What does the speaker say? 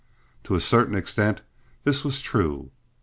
To a certain extent this was true.